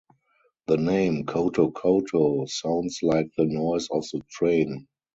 The name "Coto Coto" sounds like the noise of the train.